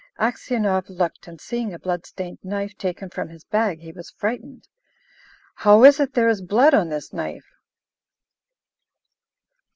Aksionov looked, and seeing a blood stained knife taken from his bag, he was frightened. "How is it there is blood on this knife?"